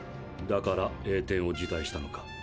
だから栄転を辞退したのか？